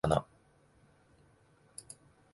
この業界も、もう終わりかな